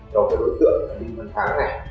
cho đối tượng nguyễn văn thắng này